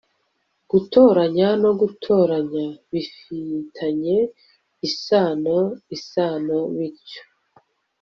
gutoranya no gutoranya bifitanye isano-isano, bityo